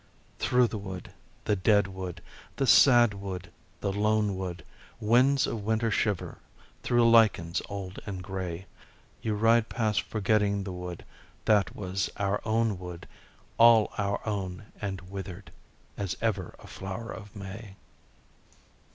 Through the wood, the dead wood, the sad wood, the lone wood, Winds of winter shiver through lichens old and grey, You ride past forgetting the wood that was our own wood, All our own and withered as ever a flower of May.